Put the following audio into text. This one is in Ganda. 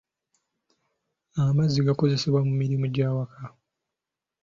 Amazzi gakozesebwa mu mirimu gy'awaka.